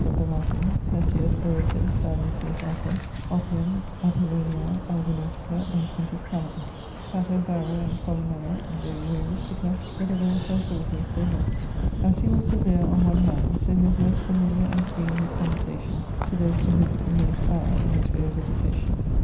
], of the Latins; Hesiod, Aratus, Dionysius Afer, Oppian, Apollonii Argonautica, and Quintus Calaber. Cato, Varro, and Columella De re rustica were the very first authors they learn't. As he was severe on one hand, so he was most familiar and free in his conversation to those to whome most sowre in his way of education.